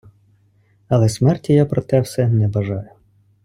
Але смерті я про те все не бажаю.